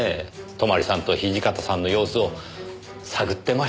泊さんと土方さんの様子を探ってましたよねぇ？